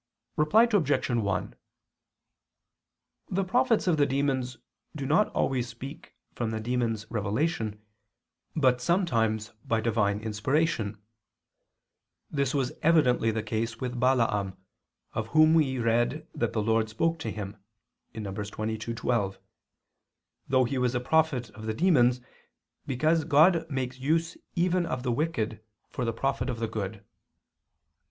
Reply Obj. 1: The prophets of the demons do not always speak from the demons' revelation, but sometimes by Divine inspiration. This was evidently the case with Balaam, of whom we read that the Lord spoke to him (Num. 22:12), though he was a prophet of the demons, because God makes use even of the wicked for the profit of the good.